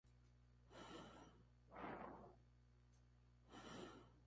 Entró y salió varias veces más de la cárcel por diversos motivos.